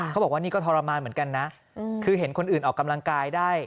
บอกว่านี่ก็ทรมานเหมือนกันนะคือเห็นคนอื่นออกกำลังกายได้